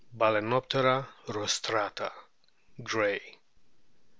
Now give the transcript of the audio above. Balcenoptera rostrata, Gray.